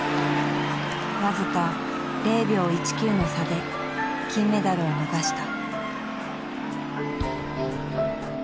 僅か０秒１９の差で金メダルを逃した。